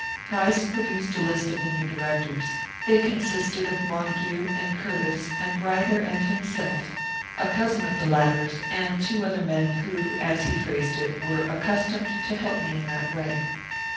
Price produced a list of the new directors. They consisted of Montague and Curtiss and Ryder and himself; a cousin of the latter's, and two other men, who, as he phrased it, were "accustomed to help me in that way."